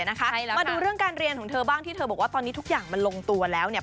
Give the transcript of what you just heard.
มาดูเรื่องการเรียนของเธอบ้างที่เธอบอกว่าตอนนี้ทุกอย่างมันลงตัวแล้วเนี่ย